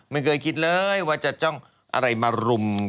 ไม่เคยคิดเลยว่าจะจ้องอะไรมารุม